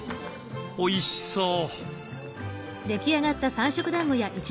おいしそう。